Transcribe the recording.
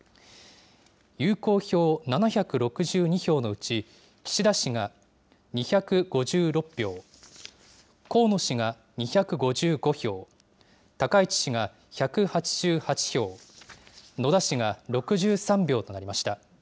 有効票７６２票のうち、岸田氏が２５６票、河野氏が２５５票、高市氏が１８８票、野田氏が６３票となりました。